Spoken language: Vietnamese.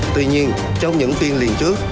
tuy nhiên trong những phiên liền trước